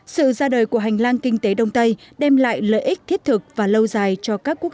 sự ra đời của hành lang kinh tế đông tây đem lại lợi ích thiết thực và lâu dài cho các quốc